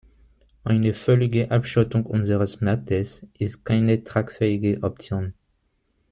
Eine völlige Abschottung unseres Marktes ist keine tragfähige Option.